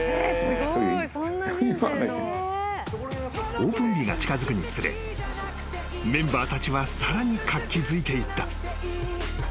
［オープン日が近づくにつれメンバーたちはさらに活気づいていった］